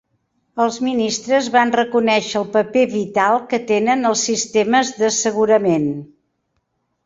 Els ministres van reconèixer el paper vital que tenen els sistemes d'assegurament